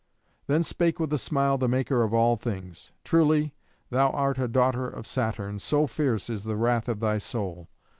Then spake with a smile the Maker of all things, "Truly thou art a daughter of Saturn, so fierce is the wrath of thy soul!